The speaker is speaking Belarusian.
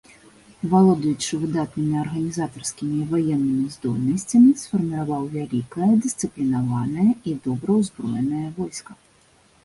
Валодаючы выдатнымі арганізатарскімі і ваеннымі здольнасцямі, сфарміраваў вялікае, дысцыплінаванае і добра ўзброенае войска.